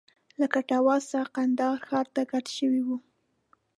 له کټواز څخه کندهار ښار ته کډه شوی و.